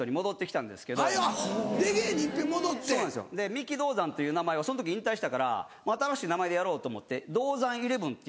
三木道三という名前をその時引退したから新しい名前でやろうと思ってＤＯＺＡＮ１１っていう。